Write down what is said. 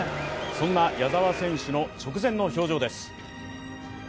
そんな矢澤選手の直前の表情です。